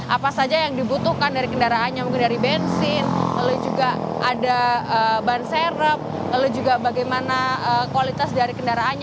apa saja yang dibutuhkan dari kendaraannya mungkin dari bensin lalu juga ada ban serep lalu juga bagaimana kualitas dari kendaraannya